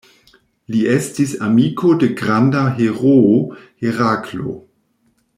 Li estis amiko de granda heroo Heraklo.